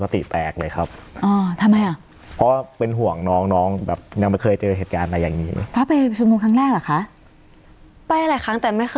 ตอนนั้นผมติดเลยค่ะ